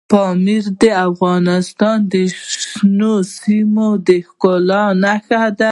پامیر د افغانستان د شنو سیمو د ښکلا نښه ده.